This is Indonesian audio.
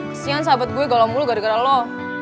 kesian sahabat gue kalau mulu gara gara lo